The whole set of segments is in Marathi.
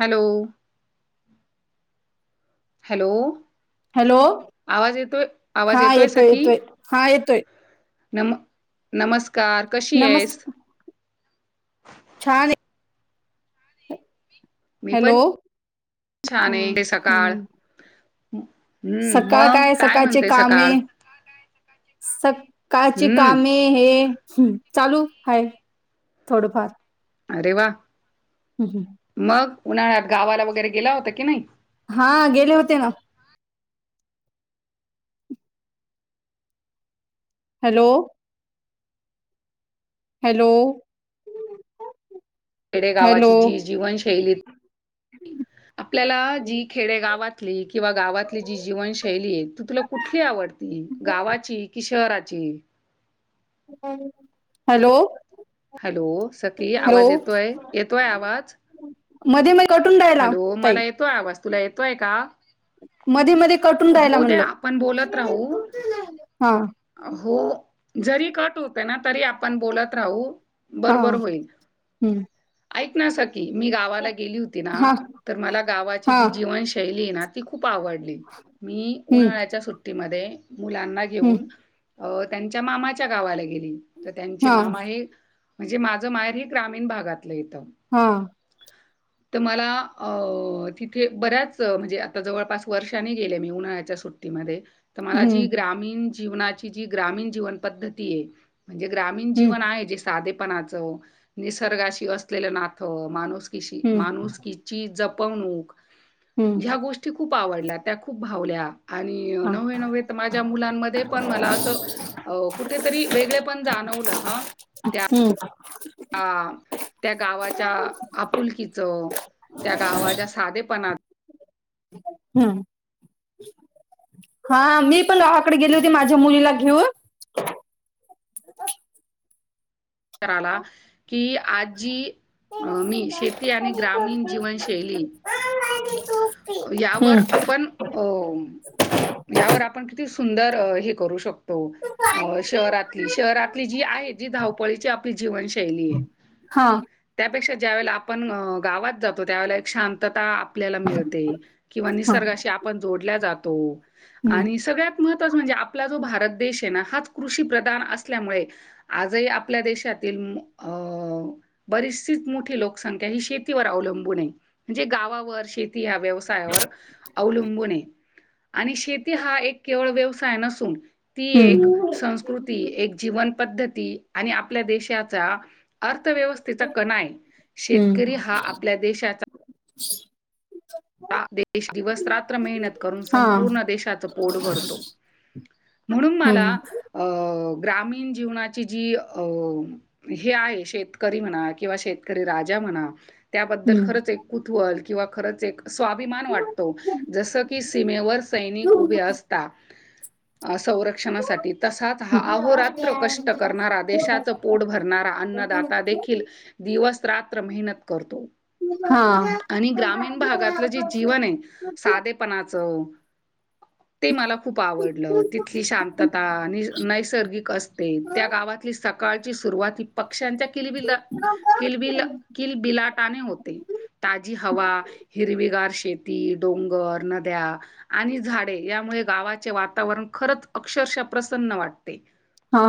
हॅलो. हॅलो. हॅलो आवाज येतोय हा आवाज येतोय सखी. हा येतोय नम नमस्कार कशी नमस् आहेस? छान ये. मी हॅलो, पण छान आहे हम् ते सकाळ हम. हम्म सकाळ मग काय सकाळचे म्हणते कामे. सकाळ सकाळची कामे हम्म हे. चालू हाये थोडंफार. अरे वा हम्म. मग उन्हाळ्यात गावाला वगैरे गेला होता की नाही. हा गेले होते ना. हॅलो. हॅलो. खेडे हॅलो गावाची जी जीवनशैली आपल्याला जी खेडे गावातली किंवा गावातली जी जीवनशैली आहे ती तुला कुठली आवडती गावाची कि शहराची. ची. हॅलो. हॅलो, सकी हॅलो आवाज येतोय येतोय आवाज. मध्ये मध्ये कटून राहिला हॅलो, ताई मला येतोय आवाज तुला येतोय का? मध्ये मध्ये कटून राहिला होउदे म्हणलं आपण बोलत राहू. हा हो, जरी कट होते ना तरी आपण बोलत राहू. हा बर बर होईल, हम्म ऐक ना सकी मी गावाला गेली हो ना हा तर मला गावाची हा जी जीवनशैली ना ती खूप खूप आवडली मी हम्म उन्हाळ्याच्या सुट्टीमध्ये मुलांना घेऊन, हम्म अ त्यांच्या मामाच्या गावाला गेली तर त्यांचे हा मामा हे म्हणजे माझं माहेर हे ग्रामीण भागातलं येतं. हा तर मला तिथे बऱ्याच म्हणजे आता जवळपास वर्षाने गेले मी उन्हाळ्याच्या सुट्टीत. मध्ये, तर मला हम्म जी ग्रामीन जीवनाची जी ग्रामीण जीवन पद्धती आहे. म्हणजे ग्रामीण हम्म जीवन आहे जे साधेपणाच, निसर्गाशी असलेलं नात, माणूस हम्म माणूसकीची जपवणूक हम्म ह्या गोष्टी खूप आवडल्या त्या खूप भावल्या आणि हा नव्हें नव्हें तर माझ्या मुलांमध्ये पण मला असं कुठ कुठेतरी वेगळे पण जाणवलं ह. हम्. हा त्या गावाच्या आपुलकीच त्या गावाच्या साधेपणात हम्म. हा मी पण गावाकडे गेले होते माझ्या मुलीला घेऊन. कराला की आजी अ मी शेती आणि ग्रामीण जीवनशैली यावर हम्म आपण अ यावर आपण किती सुंदर हे करू शकतो शहरातली शहरातली जी आहे. ळी आपली जीवनशैली, हा त्यात ज्या वेळा आपण गावात जातो त्यावेळा एक शांतता आपला मिळते किंवा हा निसर्गाशी आपण जोडल्या जातो हम्म आणि सगळ्यात महत्त्व म्हणजे आपला जो भारत देश आहे ना हाच कृषी प्रधान असल्यामुळे आज आपल्या देशातील अ बरीचशीच मोठी लोकसंख्या ही शेतीवर अवलंबून आहे. म्हणजे गावावर शेत या व्यवसायावर अवलंबून हे आणि शेती हा एक केवळ वे [unintelligible] ती एक संस्कृती, हम्म एक जीवन पद्धती आणि आपल्या देशाचा अर्थ अर्थव्यवस्थेचा कणा आहे, शेतकरी हा आपल्या देशाचा ह. [unintelligible] हा दिवस रात्र मेहनत करून हा संपूर्ण देशाचं पोट भरतो. म्हणून मला हम्म ग्रामीण जीवनाची जी हे आहे शेतकरी म्हणा किंवा शेतकरी राजा म्हणा त्याबद्दल हम्म खरंच एक कुतहल किंवा खरंच एक स्वाभिमान वाटतो, जस की सीमेवर सैनिक उभे असतात. संरक्षणासाठी तसाच हा अहोरात्र कष्ट करणारा देशाचं पोट भरणारा अन्नदाता ता देखील दिवस रात्र मेहनत करतो. हा. आणि ग्रामीण भागातलं जीवन आहे साधेपणाच ते मला खूप आवडलं, तिथली शांतता नैसर्गिक असते त्या गावा तली सकाळची सुरुवाती फक्त पक्ष्यांच्या किलबिल, किलबिल, किलबिलाटाने होते. ताजी हवा हिरविगार शेती, डोंगर, नद्या आणि झाडे यामुळे गावाचे वातावरण खरंच अक्षरशः प्रसन्न वाटते हा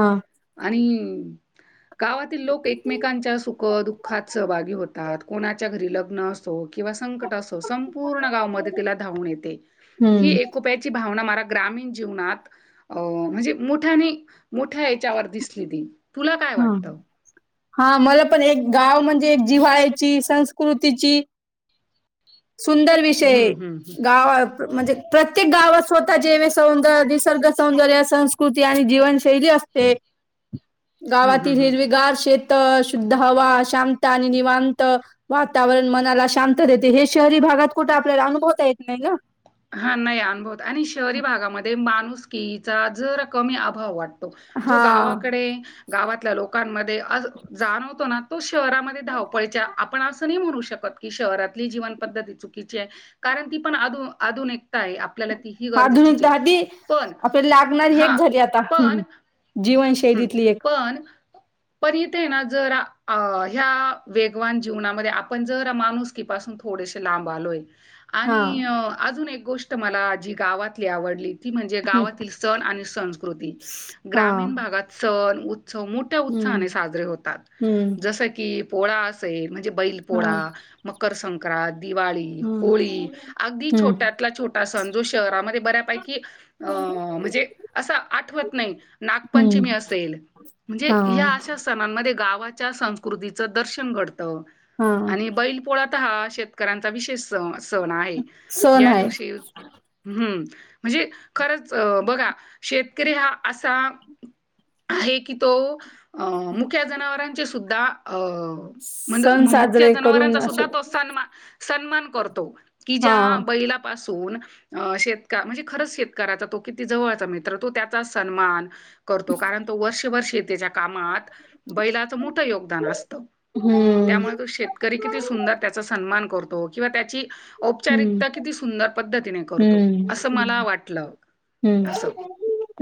आणि गावातील लोक एकमेकांच्या सुख दुःखात सहभागी होतात, कोणाच्या घरी लग्न असतो किंवा संकट असो संपूर्ण गाव मदतीला, धावून येते ही हम्म एकोप्याची भावना मला ग्रामीण जीवनात अ म्हणजे मोठ्याने मोठ्या याच्यावर दिसली ती तुला काय हा वाटतं? हा मला पण एक गाव म्हणजे एक जिवा्हाळ्याची संस्कृतीची सुंदर विषय हं, हं, हं. गाव म्हणजे प्रत्येक गावात स्वतः जेवे सौंदर्य निसर्ग सौंदर्य संस्कृती आणि जीवनशैली असते. ह [inaudible] गावातील हिरवीगार शेतं शुद्ध हवा शांत आणि निवांत वातावरण मनाला शांत देते हे शहरी भागात कुठे आपल्याला अनुभवता येत नाही ना हा नाही अनुभवत आणि शहरी भागामध्ये माणुसकिचा जरा कमी अभाव वाटतो. जो हा गावाकडे गावातल्या लोकांमध्ये अस जाणवतो ना तो शहरामध्ये धावपळच्या आपण असं नाही म्हणू शकत. शहरातली जीवन पद्धती चुकीची आहे, कारण ती आधुनिकता आहे आपण आपल्याला ती ह गरजेचीच आधुनिकता आहे, आधी पण आपल्याला लागणारी हा एक झाली आता पण हम्म. हम् जीवनशैलीतली एक पण पण इथे ना जर ह्या वेगवान जीवनामध्ये आपण जर माणूसकिपासून थोड थोडेशे लांब आलोय, हा आणि अजून एक गोष्ट मला जी गावातली आवडली ती म्हणजे हम्म. गावातील सण आणि संस्कृती, हा ग्रामीण भागात सण मोठ्या हम्म उत्साहाने साजरे होतात, हम्म जस की पोळा असेल, म्हणजे बैल हा पोळा, मकर संक्रांत दिवाळी, हम्म होळी अगदी हम्म छोट्यातला छोटा सण जो शहरामध्ये बऱ्यापैकी अ म्हणजे असं आठवत नाही. नाग पंचमी हम्म असेल, हा म्हणजे या अशा सणांना दे गावाच्या संस्कृतीच दर्शन घडतं, हा आणि बैलपोळा आता हा शेतकऱ्यांचा विशेष स सण आहे, सण या आहे दिवशी, हम्म म्हणजे, खरंच अ बघा शेतकरी हा असा आहे की तो अ मुख्या जनावरांचे सुद्धा अ म्हणजे सण मुख्य साजरे करून जनावरांचा असे सुद्धा तो सन्मान, सन्मान करतो. कि हा ज्या बैलापासून शेत म्हणजे, खरंच शेतकऱ्याचा तो किती जवळचा मित्र,, तो त्याचा सन्मानऽऽ करतो कारण तो वर्षेभर त्याच्या कामात बैलाचं मोठं योगदान असतं. हम्म त्यामुळे तो शेतकरी किती सुंदर त्याचा सन्मान करतो. किंवा त्याची औपचारिकता किती सुंदर पद्धतीनेऽऽ हम्, ह्, असं.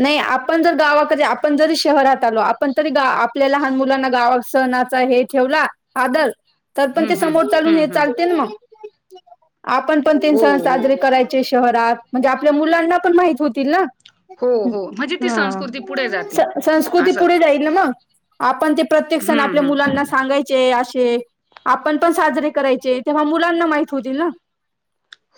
नाही आपण जरऽऽ आपन जरीऽऽ शहरात आलो, आपण तरी आपल्याला लहान मुलांना गावात सहणाचा हे ठेवला,, आदर. तर पण हं, ते हं. समोर हं, चालून हं. चालते ना मग. आपण पण ते हो, सण हो. साजरे करायचे शहरात,, म्हणजे आपल्या मुलांना पण माहित होतील ना. हो, हो. म्हणजे ती हा,, संस्कृती पुढे जाते संस्कृती असं. पुढे जाईल मग. आपण ते प्रत्येक सण हं, आपल्या हं. मुलांना सांगायचऽऽ चे असे,, आपण पण साजरे करायचे तेव्हा मुलांना माह होतील ना.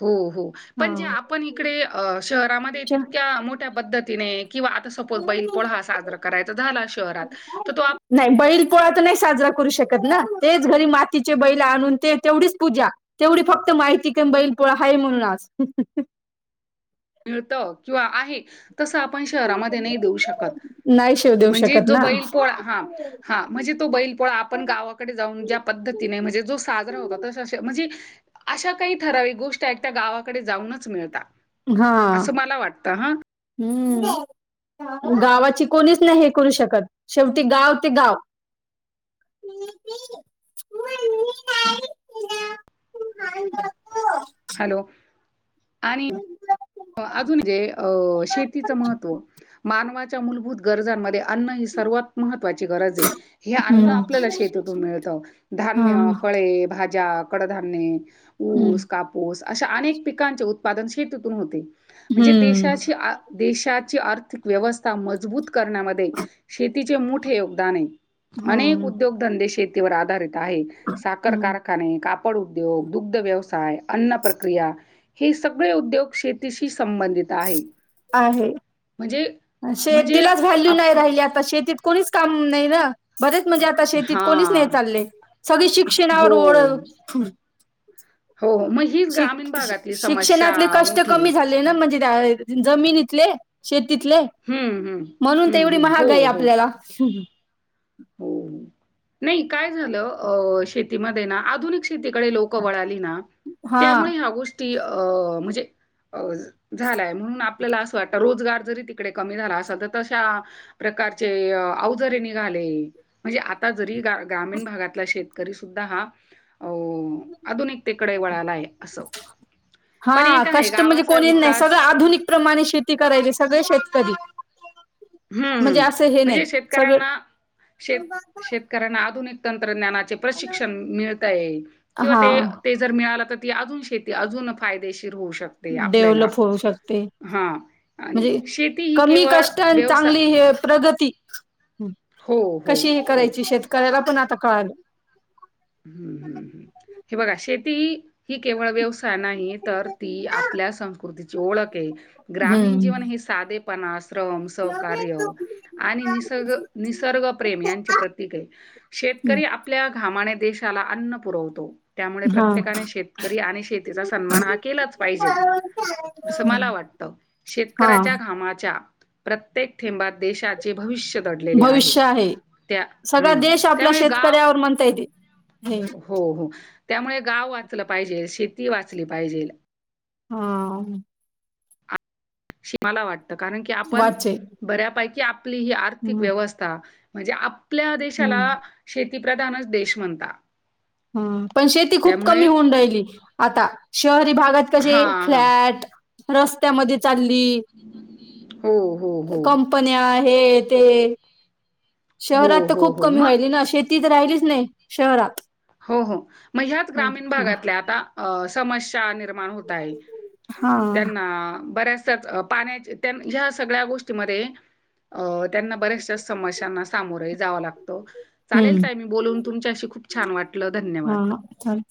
हो, हो, पण जे हा आपण इकडे शहरामध्ये तितक्या मोठ्या पद्धतीनेऽऽ किंवा आता सपोज बैल पोळ हा साजरा करायचा झाला शहरात,, तर तोऽऽ नाही बैल नाही साजरा करू शकत ना,, तेच घरी मातीचे बैला आणून ते,, तेवढीच पूजा, तेवढी फक्तऽऽ माहिती का बैल पोळा हाय म्हणून आज. मिळतं, किंवा आहे, तसं आपण शहरामध्ये नाही देऊ शकत. नाही शेव देऊ म्हणजे शकत जो ना बैल पोळा,, हा,, हा म्हणजे तो बैल पोळा आपण गावाकडे जाऊन ज्या पद्धतीऽऽ म्हणजे जो साजरा होतो,, त म्हणजेऽऽ अशा काही ठराविक गोष्टी एयत त्या गावाकडे जाऊनच मिळतात. हा असं मला वाटतं हा. हम्म, गावाची कोणीच नाही हे करू शकत,, शेवटी गाव ते गाव. [inaudible] आणिऽऽ अजून म्हणजे, अं शेतीचं महत्त्व मानवाच्या मूलभूत गरजांमध्येऽऽ अन्न ही सर्वात महत्त्वाची गरज ए,, हे अन्न हम्म आपल्याला शतीून मिळतं, हा धान्य, हम्म ऽऽ ळे, भाऽऽ भाज्या, कडधान्ये, ऊस, कापूस अशा अनेक पिकांचे उत्पादन शेतीतून होते. म्हणजे हम्म देशाची,, देशाची आर्थिक व्यवस्था मजबूत करण्यामध्ये शऽऽ शतीचे मोठे योगदान आहे,, अनेक हम्म उद्योग धंदे शेतीवर आधारितऽऽ आहे, साखर हम्म कारखाने, काऽऽ पड उद्योग, दुग्ध व्यवसाय, अन्न प्रक्रिया, हे सगळे उद्योग शऽऽ तिशी संबंधित आहे. आहे,, म्हणजे म्हणजे शेतीलाच व्हॅल्यू नाही आप राहिली आता शेतीत कोणीचऽऽ काम नाही ना, बरेचऽऽ म्हणजे आता शेतीत कोणीच नाही हां. चालले,, सगळी शिक्षणावर हो, ओळऽऽ हो, हो. मग हीच शिक ग्रामीण भागातली समस्या शिक्षणातले कष्ट मोठी कमी आहे. झाले म्हणजे जमीन इथले शेत तिथले हं, हं. म्हणून हं, तेवढी हं. हो, महागाई हो. आपल्याला हो नाही काय झालं अ शेतीमध्ये ना आधुनिक शेतीकडे लोक वळाली ना हा त्यामुळे ह्या गोष्टी अं म्हणजे अ झालाय म्हणून आपल्याला असं वाटतं रोजगार जरी तिकडे कमी झाला असाल तर तशाकार प्रकारचे अवजरे निघाले म्हणजे आता जरी ग्रामीण भागातला शेतकरी सुद्धा हा अ आधुून एक तकडे वळालाय असं पण हा एक आहे कष्ट म्हणजे गावाचा कोणी नाही सगळ विकास आधुनिक प्रमाणे शेती करायली सगळे शेतकरी हम्मम् असं हे म्हणजे नाही सगळं शेतकऱ्यांना शेत शेतकऱ्यांना आधुनिक परीानामाचे प्रशिक्षण मिळत आहे किंवा हा ते जर मिळाल ती आजून शेती अजून फायदेशी र होऊ शकते आपल्याला डेव्हलप होऊ शकते हा आणि म्हणजे शेती ही कमी केवळ कष्ट आणि व्यवसाय चांगली हे प्रगती हो हो कशी हे हो. करायची शेतकऱ्याला पण आता कळालं हम्म हम्म हम्म हे बघा शेती हि केवळ व्यवसाय नाही तर ती आपल्या संस्कृतीची ओळख आहे ग्रामीण जीवन हम्म हे साधेपणा अस श्रम सहकार्य आणि निसग निसर्ग प्रेम यांचे प्रतीक शेत शेतकरी आपल्या घामाने देशाला अन्न पुरवतो. त्यामुळे हा प्रत्येकाने शेतकरी आणि शेतीचा सन्मान हा केलाचं पाहिजेल. असं मला वाटत हा शेतकऱ्याच्या घामाच्या प्रत्येक थेंबात देशाचे भविष्य दडलेले आहे, त्या सगळा हम्म देश आपल्या त्यामुळे गाव शेतकऱ्यावर म्हणता येते हे हो हो त्यामुळे गाव वाचलं पाहिजेल, शेती वाचली पाहिजेल. हा आ. [unintelligible] मला वाटत कारण की आपण वाचे बऱ्यापैकी आपली ही आर्थिक हम्म व्यवस्था म्हणजे आपल्या देशाला हम्म शेतीप्रधानचं देश म्हणता हा पण शेती खूप त्यामुळे कमी होऊन राहिली आता शर ते भागात कशे हां, हां. फ्लॅट रस्त्यामध्ये चाली हो, हो, हो. कंपन्या हे ते हो, शहरात तर हो, खूप हो. कमी मग व्हायली ना, शेती तर राहिलीचं नाइ शहरात हो हो म ह्याच ग्रामीण हा भागातल्या आता समस्या नि र्माण होत आहे, हा त्यांना बऱ्याचं च्याच पाण्या ह्या सगळ्या गोष्टीमध्ये अ त्यांना बऱ्याचशा समस्यांना सामोरही जावं लाग त चालेल काय मी बोलून तुमच्याशी खूप छान वाट हा हा चाल